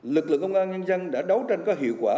lực lượng công an nhân dân đã đấu tranh có hiệu quả